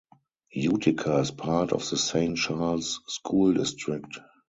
Utica is part of the Saint Charles School District.